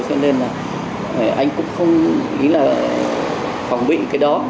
cho nên là anh cũng không ý là phòng bị cái đó